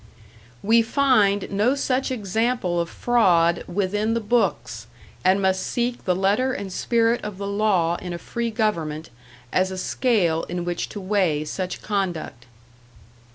"We find no such example of fraud within the books, and must seek the letter and spirit of the law in a free government, as a scale in which to weigh such conduct....